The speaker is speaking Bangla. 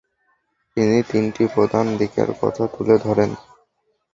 তিনি তিনটি প্রধান দিকের কথা তুলে ধরেন।